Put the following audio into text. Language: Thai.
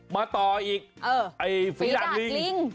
มาต่ออีกไฟราดลิง